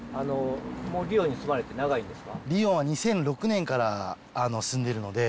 リヨンに住まれて長いんですか？